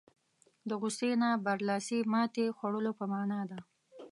په غوسې نه برلاسي ماتې خوړلو په معنا ده.